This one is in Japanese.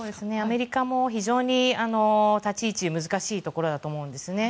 アメリカも非常に立ち位置が難しいところだと思うんですね。